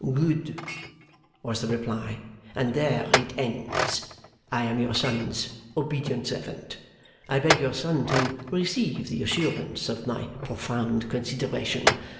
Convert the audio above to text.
'Good,' was the reply. 'And there it ends! I am your son's obedient servant. I beg your son to receive the assurance of my profound consideration.